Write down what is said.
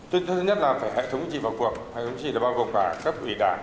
thứ nhất là phải hệ thống chính vào cuộc hệ thống chính là bao gồm cả cấp ủy đảng